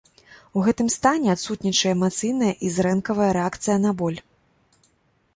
У гэтым стане адсутнічае эмацыйная і зрэнкавая рэакцыя на боль.